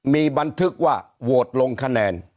มีบันทึกว่าโหวตลงคะแนน